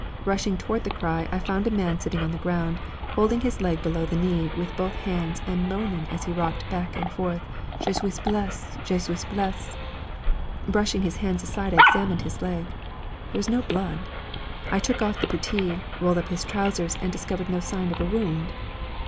Rushing toward the cry, I found a man sitting on the ground, holding his leg below the knee with both hands, and moaning as he rocked back and forth, 'Je suis blesse! Je suis blesse!' Brushing his hands aside, I examined his leg. There was no blood. I took off the puttee, rolled up his trousers, and discovered no sign of a wound.